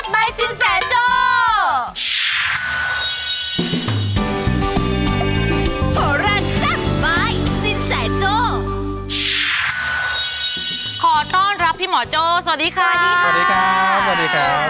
แม่บ้านประจันบัน